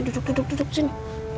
duduk duduk duduk sini